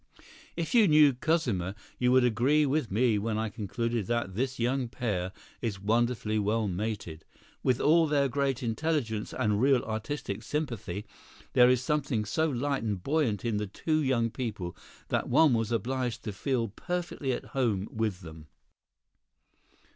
If you knew Cosima, you would agree with me when I conclude that this young pair is wonderfully well mated. With all their great intelligence and real artistic sympathy, there is something so light and buoyant in the two young people that one was obliged to feel perfectly at home with them."